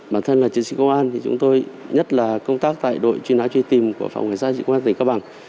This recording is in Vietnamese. bản thân là chiến sĩ công an thì chúng tôi nhất là công tác tại đội truy nã truy tìm của phòng hải sát truy cơ quan tỉnh các bằng